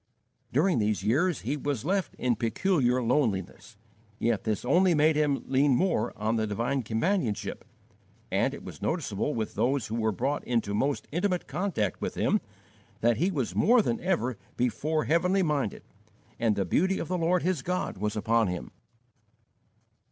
During these years he was left in peculiar loneliness, yet this only made him lean more on the divine companionship, and it was noticeable with those who were brought into most intimate contact with him that he was more than ever before heavenly minded, and the beauty of the Lord his God was upon him.